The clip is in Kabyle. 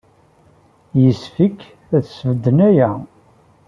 Yessefk ad sbedden aya.